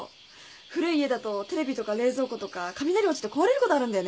古い家だとテレビとか冷蔵庫とか雷落ちて壊れることあるんだよね。